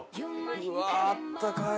うわあったかい。